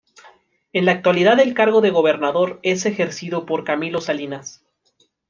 En la actualidad el cargo de gobernador es ejercido por Camilo Salinas.